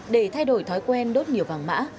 để thay đổi thói quen đốt nhiều vàng mã